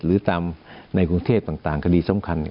หรือตามในกรุงเทพต่างคดีสำคัญ